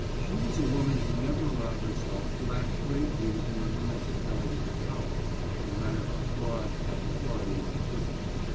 She was a woman who never allowed herself to act greatly within the limits of delegated power, no matter how broad that authority might be.